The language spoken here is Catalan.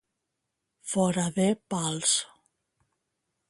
Fora de pals.